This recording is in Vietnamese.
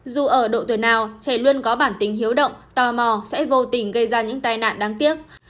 dù ở độ tuổi nào trẻ luôn có bản tính hiếu động tò mò sẽ vô tình gây ra những tai nạn đáng tiếc